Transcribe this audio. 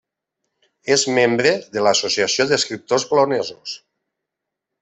És membre de l'Associació d'Escriptors Polonesos.